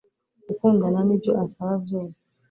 gukundana nibyo asaba byose